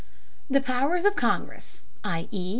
The powers of Congress, _i.e.